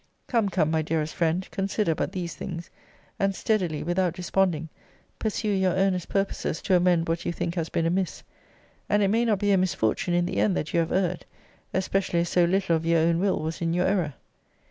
Come, come, my dearest friend, consider but these things; and steadily, without desponding, pursue your earnest purposes to amend what you think has been amiss; and it may not be a misfortune in the end that you have erred; especially as so little of your will was in your error.